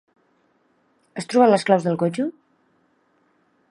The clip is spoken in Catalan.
Has trobat les claus del cotxe?